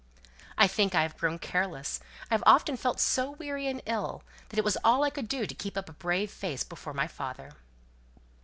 "I think I've grown careless; I've often felt so weary and ill that it was all I could do to keep up a brave face before my father."